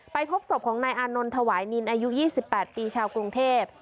พบศพของนายอานนท์ถวายนินอายุ๒๘ปีชาวกรุงเทพ